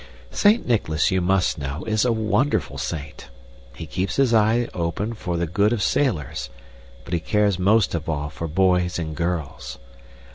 Saint Nicholas, you must know, is a wonderful saint. He keeps his eye open for the good of sailors, but he cares most of all for boys and girls.